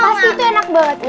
pasti itu enak banget